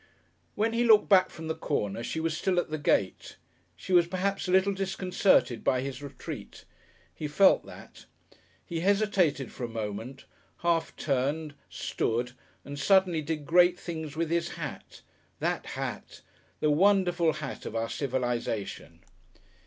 When he looked back from the corner she was still at the gate. She was perhaps a little disconcerted by his retreat. He felt that. He hesitated for a moment, half turned, stood and suddenly did great things with his hat. That hat! The wonderful hat of our civilisation!...